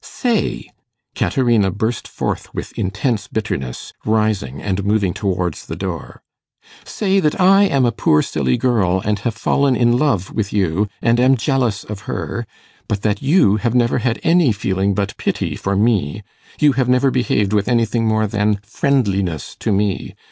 'Say?' Caterina burst forth with intense bitterness, rising, and moving towards the door; 'say that I am a poor silly girl, and have fallen in love with you, and am jealous of her; but that you have never had any feeling but pity for me you have never behaved with anything more than friendliness to me.